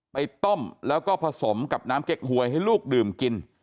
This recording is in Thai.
ไปต้มแล้วก็ผสมกับน้ำเก๊กหวยให้ลูกดื่มกิน